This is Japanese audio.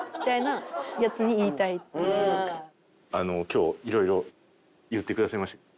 今日いろいろ言ってくださいましたけど。